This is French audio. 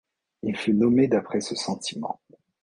Il fut nommé d'après ce sentiment.